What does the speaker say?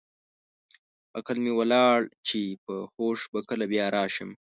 عقل مې ولاړ چې په هوښ به کله بیا راشم.